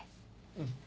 うん。